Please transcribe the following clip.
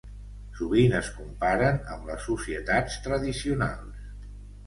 Sovint es comparen amb les societats tradicionals.